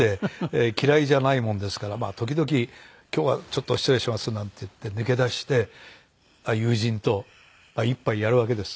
嫌いじゃないもんですからまあ時々「今日はちょっと失礼します」なんて言って抜け出して友人と１杯やるわけです。